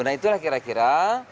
nah itulah kira kira